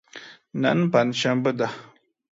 نن پنج شنبه ده.